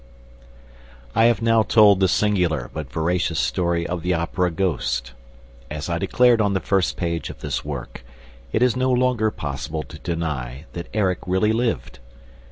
I have now told the singular, but veracious story of the Opera ghost. As I declared on the first page of this work, it is no longer possible to deny that Erik really lived.